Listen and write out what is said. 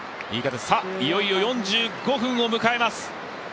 いよいよ４５分を迎えます。